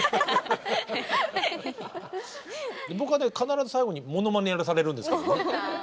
僕はね必ず最後にモノマネやらされるんですけどね。